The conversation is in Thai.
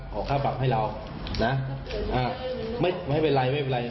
ขอค่าปรับให้เรานะอ่าไม่ไม่เป็นไรไม่เป็นไร